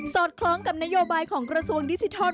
อดคล้องกับนโยบายของกระทรวงดิจิทัล